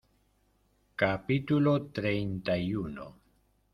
capítulo treinta y uno.